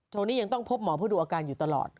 ช่วงนี้ยังต้องพบหมอเพื่อดูอาการอยู่ตลอด